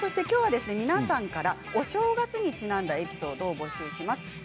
きょうは皆さんからお正月にちなんだエピソードを募集します。